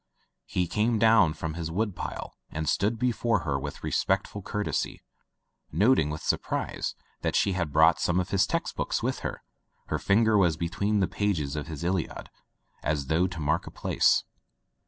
He came down from his wood pile and stood before her with respectful curiosity, [ 292 ] Digitized by LjOOQ IC Son of the Woods noting with surprise that she had brought some of his text books with her. Het finger was between the pages of his "Iliad" as though to mark a place.